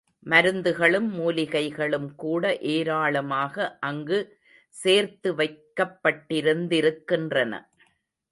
மருந்துகளும் மூலிகைகளும் கூட ஏராளமாக அங்கு சேர்த்து வைக்கப்பட்டிருந்திருக்கின்றன.